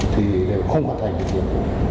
thì đều không hoàn thành được điều này